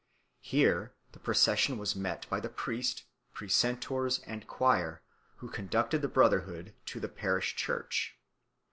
Here the procession was met by the priest, precentors, and choir, who conducted the brotherhood to the parish church.